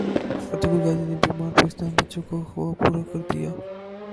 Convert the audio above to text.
Ertugrul Ghazi نے بیمار پاکستانی بچوں کا خواب پورا کردیا